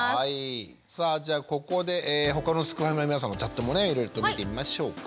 さあじゃあここで他のすくファミの皆さんのチャットもねいろいろと見てみましょうか。